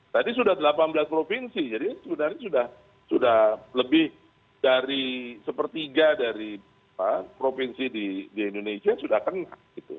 tadi sudah delapan belas provinsi jadi sebenarnya sudah lebih dari sepertiga dari provinsi di indonesia sudah kena